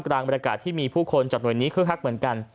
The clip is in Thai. กลางบรรยากาศที่มีผู้คนจากหน่วยนี้คือฮักเหมือนกัน